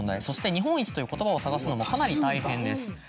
そして「日本一」という言葉を探すのもかなり大変です。